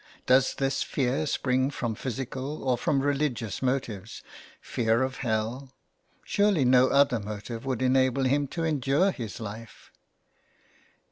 Does this fear spring from physical or from religious motives ? Fear of hell ? Surely no other motive would enable him to endure his life."